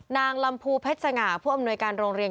นางลำพูเพชรสง่าผู้อำนวยการโรงเรียน